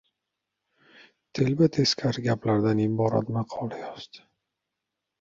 Telba-teskari gaplardan iborat maqolalar yozdi.